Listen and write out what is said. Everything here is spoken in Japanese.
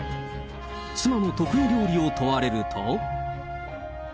妻の得意料理を問われると。